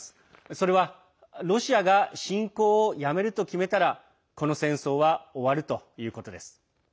それはロシアが侵攻をやめると決めたらこの戦争は終わるということです。